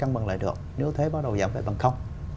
bằng lại được nếu thuế bắt đầu giảm lại bằng không